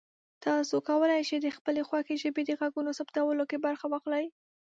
تاسو کولی شئ د خپلې خوښې ژبې د غږونو ثبتولو کې برخه واخلئ.